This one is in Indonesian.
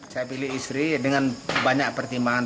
saya pilih istri dengan banyak pertimbangan